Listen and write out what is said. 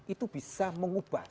itu bisa mengubah